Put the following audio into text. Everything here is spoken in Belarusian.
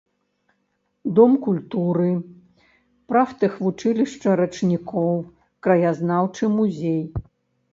Дом культуры, прафтэхвучылішча рачнікоў, краязнаўчы музей.